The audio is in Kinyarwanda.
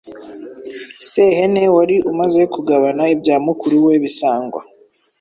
Sehene wari umaze kugabana ibya mukuru we Bisangwa